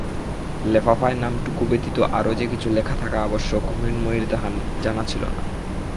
লেফাফায় নামটুকু ব্যতীত আরও যে কিছু লেখা আবশ্যক মৃন্ময়ীর তাহা জানা ছিল না।